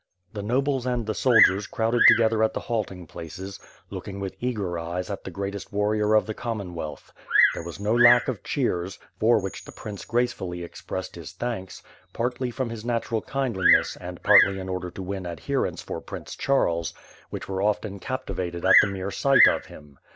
The nobles and the soldiers crowded together at the halting places, look ing with eager eyes at the greatest warrior of the Common wealtli. There was no lack of cheers, for which the prince gracefully expressed his thanks, partly from his natural kind liness and partly in order to win adherents for Prince Charies, which were often captivated at the mere sight of him.